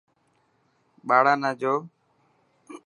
ٻاڙا نا جو.